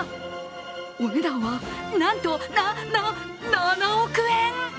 お値段は、なんと、な、な７億円！